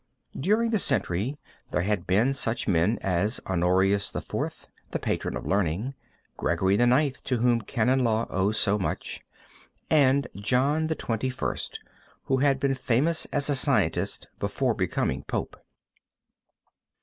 During the century there had been such men as Honorius IV, the Patron of Learning, Gregory IX, to whom Canon Law owes so much, and John XXI, who had been famous as a scientist before becoming Pope.